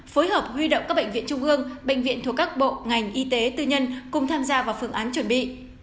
phối hợp huy động các bệnh viện trung ương bệnh viện thuộc các bộ ngành y tế tư nhân cùng tham gia vào phương án chuẩn bị